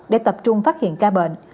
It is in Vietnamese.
để tập trung phát hiện ca bệnh